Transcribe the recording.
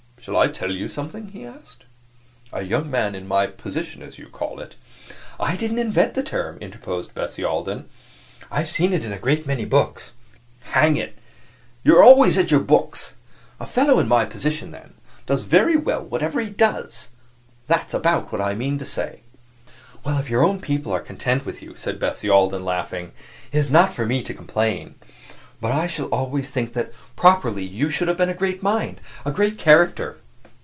"Shall I tell you something?" he asked. "A young man in my position, as you call it " "I didn't invent the term," interposed Bessie Alden. "I have seen it in a great many books." "Hang it! you are always at your books. A fellow in my position, then, does very well whatever he does. That's about what I mean to say." "Well, if your own people are content with you," said Bessie Alden, laughing, "it is not for me to complain. But I shall always think that, properly, you should have been a great mind a great character."